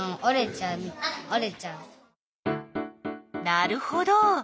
なるほど。